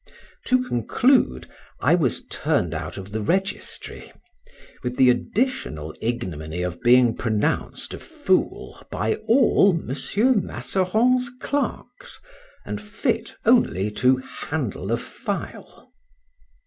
To conclude, I was turned out of the registry, with the additional ignominy of being pronounced a fool by all Mr. Masseron's clerks, and fit only to handle a file.